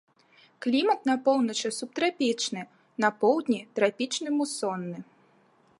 Клімат на поўначы субтрапічны, на поўдні трапічны мусонны.